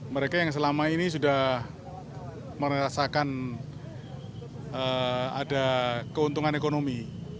mereka yang selama ini sudah merasakan ada keuntungan ekonomi